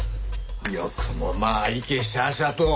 よくもまあいけしゃあしゃあと。